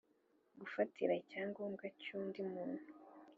gufatira icyangombwa cy’undi muntu